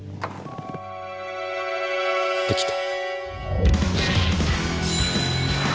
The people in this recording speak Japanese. できた！